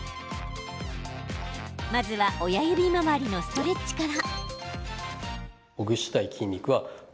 まずは、親指周りのストレッチから。